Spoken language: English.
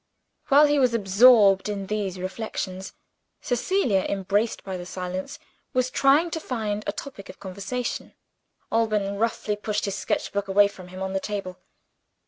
While he was absorbed in these reflections, Cecilia embarrassed by the silence was trying to find a topic of conversation. Alban roughly pushed his sketch book away from him, on the table.